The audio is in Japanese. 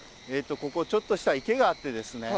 ここちょっとした池があってですね